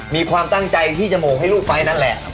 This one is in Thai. มีความตั้งใจที่จมูกให้ลูกไปนั่นแหละ